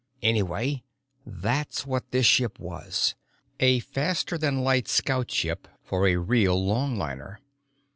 Anyway, that's what this ship was: a faster than light scout ship for a real longliner.